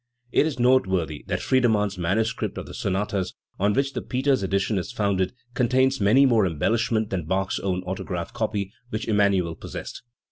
It is noteworthy that Friedernann's manuscript of the sonatas, on which the Peters edition is founded, contains many more embellishments than Bach's own autograph copy, which Emmanuel possessed.